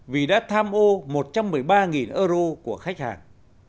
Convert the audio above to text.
vì đã tham ô một trăm một mươi ba euro của khách hàng